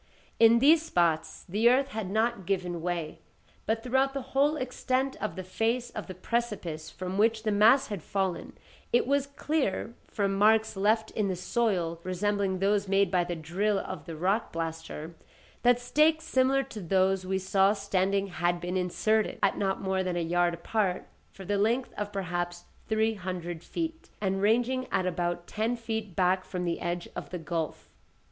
In these spots the earth had not given way, but throughout the whole extent of the face of the precipice from which the mass had fallen, it was clear, from marks left in the soil resembling those made by the drill of the rock blaster, that stakes similar to those we saw standing had been inserted, at not more than a yard apart, for the length of perhaps three hundred feet, and ranging at about ten feet back from the edge of the gulf.